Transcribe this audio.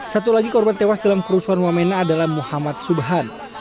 satu lagi korban tewas dalam kerusuhan wamena adalah muhammad subhan